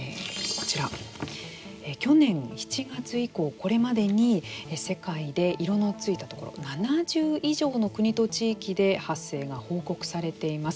こちら、去年７月以降これまでに世界で色のついたところ７０以上の国と地域で発生が報告されています。